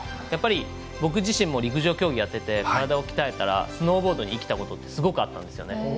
やっぱり、僕自身も陸上競技やっていて体を鍛えたらスノーボードに生きたことってすごくあったんですよね。